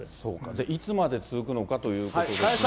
じゃあ、いつまで続くのかということですが。